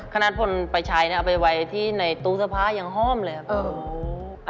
ขณะฝนไปใช้นี่เอาไปไว้ที่ในตู้สภาอย่างห้อมเลยครับ